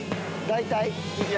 大体。